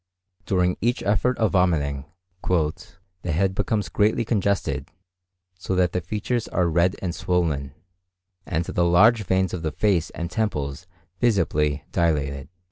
During each effort of vomiting "the head becomes greatly congested, so that the features are red and swollen, and the large veins of the face and temples visibly dilated."